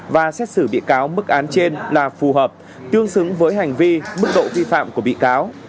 và xét xử bị cáo mức án trên là phù hợp tương xứng với hành vi mức độ vi phạm của bị cáo